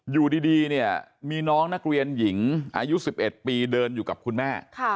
อยู่ดีเนี่ยมีน้องนักเรียนหญิงอายุ๑๑ปีเดินอยู่กับคุณแม่